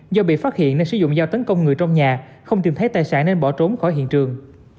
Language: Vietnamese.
do bị phát hiện nên sử dụng dao tấn công người trong nhà không tìm thấy tài sản nên bỏ trốn khỏi hiện trường